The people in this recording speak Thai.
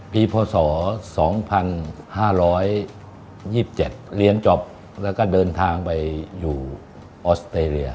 พศ๒๕๒๗เรียนจบแล้วก็เดินทางไปอยู่ออสเตรเลีย